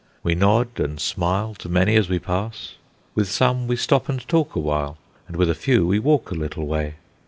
We nod and smile to many as we pass; with some we stop and talk awhile; and with a few we walk a little way.